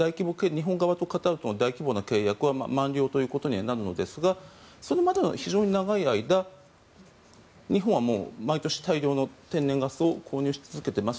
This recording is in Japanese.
日本側とカタールとの契約は満了ということにはなるのですがそれまでの非常に長い間日本は毎年大量の天然ガスを購入し続けています。